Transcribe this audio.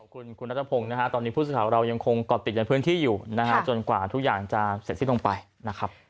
คุณนัทธพงศ์ตอนนี้พูดสิทธิ์ของเรายังคงกอดติดในพื้นที่อยู่จนกว่าทุกอย่างจะเสร็จที่ตรงไปนะครับ